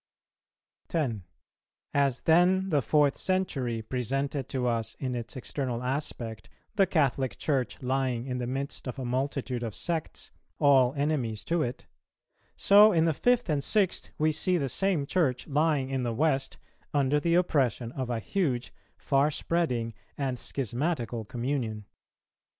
10. As then the fourth century presented to us in its external aspect the Catholic Church lying in the midst of a multitude of sects, all enemies to it, so in the fifth and sixth we see the same Church lying in the West under the oppression of a huge, farspreading, and schismatical communion.